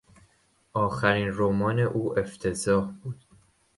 آخرین رمان او افتضاح بود.